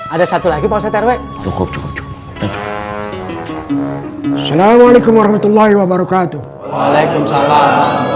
ada satu lagi pak ustadz rw cukup assalamualaikum warahmatullahi wabarakatuh waalaikumsalam